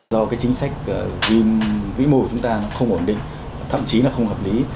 do chính sách viêm vĩ mô của chúng ta không ổn định thậm chí không hợp lý